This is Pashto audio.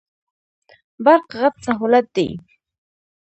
برق غټ سهولت دی.